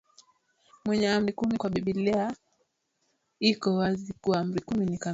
kwenye Amri kumi kwani Biblia iko wazi kuwa Amri kumi ni kamilifu Udhaifu wa